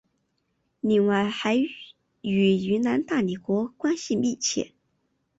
另外还与云南大理国关系密切。